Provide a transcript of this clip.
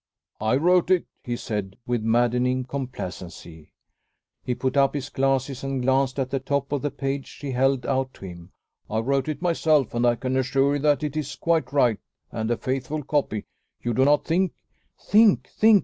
"I wrote it," he said, with maddening complacency. He put up his glasses and glanced at the top of the page she held out to him. "I wrote it myself, and I can assure you that it is quite right, and a faithful copy. You do not think " "Think! Think!